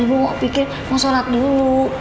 ibu pikir mau sholat dulu